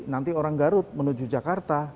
nanti orang garut menuju jakarta